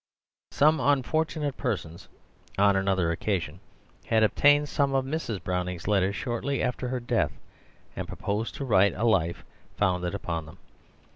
Some unfortunate persons on another occasion had obtained some of Mrs. Browning's letters shortly after her death, and proposed to write a Life founded upon them.